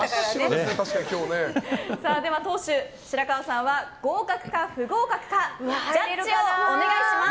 では党首、白川さんは合格か不合格かジャッジをお願いします。